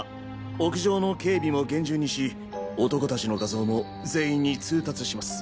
屋上の警備も厳重にし男達の画像も全員に通達します。